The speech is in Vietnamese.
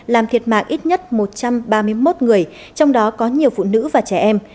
làm thiệt mạng ít nhất một trăm ba mươi một người trong đó có nhiều phụ nữ và trẻ em